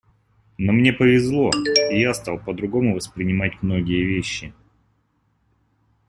Но мне повезло, и я стал по-другому воспринимать многие вещи.